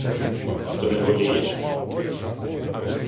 — То не волієш?